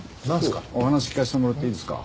お話聞かせてもらっていいですか？